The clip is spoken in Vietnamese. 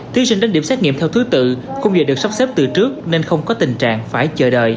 thí sinh đến điểm xét nghiệm theo thứ tự không giờ được sắp xếp từ trước nên không có tình trạng phải chờ đợi